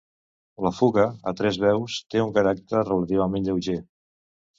La fuga, a tres veus, té un caràcter relativament lleuger.